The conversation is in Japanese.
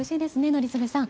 宜嗣さん。